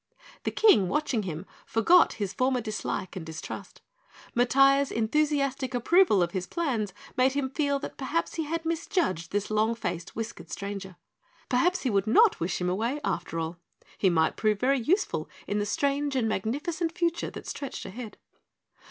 The King, watching him, forgot his former dislike and distrust. Matiah's enthusiastic approval of his plans made him feel that perhaps he had misjudged this long faced, whiskered stranger. Perhaps he would not wish him away, after all. He might prove very useful in the strange and magnificent future that stretched ahead.